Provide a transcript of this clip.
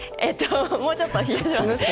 もうちょっと冷やしましょう。